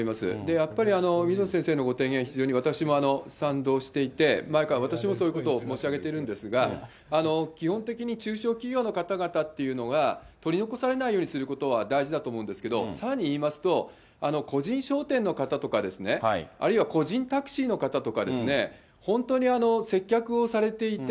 やっぱり水野先生のご提言、非常に私も賛同していて、前から私もそういうことを申し上げているんですが、基本的に中小企業の方々っていうのが取り残されないようにすることは大事だと思うんですけれども、さらに言いますと、個人商店の方とかですね、あるいは個人タクシーの方とかですね、本当に接客をされていて、